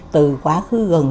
từ quá khứ gần